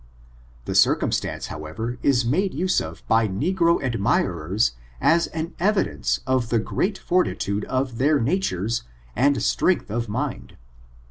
This circumstance, however, is made use of by ne gro admirers as an evidence of the great fortitude of their natures, and strength of mind.